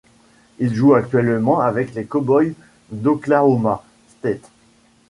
Il joue actuellement avec les Cowboys d'Oklahoma State.